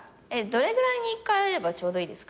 どれぐらいに１回会えればちょうどいいですか？